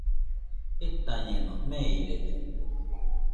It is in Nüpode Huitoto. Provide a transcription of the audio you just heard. Jetañeno, meirede.